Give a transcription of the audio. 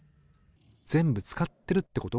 全部使ってるってこと？